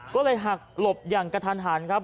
ก็เลยหักหลบอย่างกระทันหันครับ